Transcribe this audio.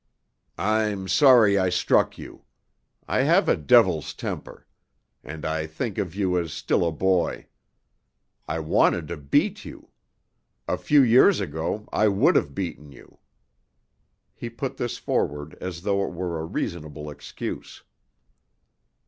"I'm sorry I struck you. I have a devil's temper. And I think of you as still a boy. I wanted to beat you. A few years ago I would have beaten you." He put this forward as though it were a reasonable excuse.